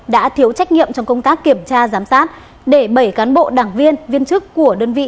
đã thiếu trách nhiệm trong công tác kiểm tra giám sát để bảy cán bộ đảng viên viên chức của đơn vị